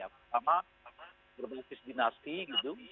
pertama berbasis dinasti gitu